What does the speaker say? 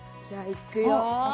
いくよ